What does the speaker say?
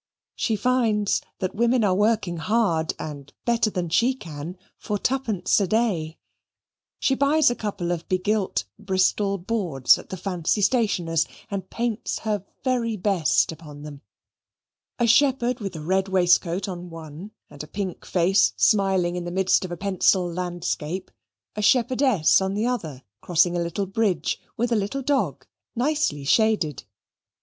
She finds that women are working hard, and better than she can, for twopence a day. She buys a couple of begilt Bristol boards at the Fancy Stationer's and paints her very best upon them a shepherd with a red waistcoat on one, and a pink face smiling in the midst of a pencil landscape a shepherdess on the other, crossing a little bridge, with a little dog, nicely shaded.